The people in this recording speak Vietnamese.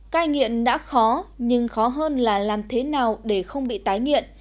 cai nghiện đã khó nhưng khó hơn là làm thế nào để không bị tái nghiện